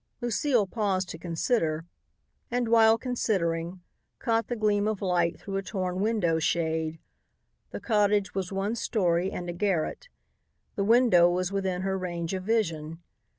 Lucile paused to consider and, while considering, caught the gleam of light through a torn window shade. The cottage was one story and a garret. The window was within her range of vision.